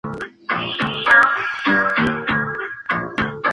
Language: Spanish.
Viajó a Francia, para participar en la decoración del Palacio Real de Fontainebleau.